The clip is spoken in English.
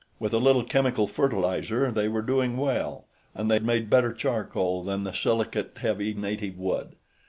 With a little chemical fertilizer, they were doing well, and they made better charcoal than the silicate heavy native wood.